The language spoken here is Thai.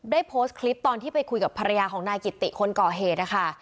โพสต์คลิปตอนที่ไปคุยกับภรรยาของนายกิติคนก่อเหตุนะคะ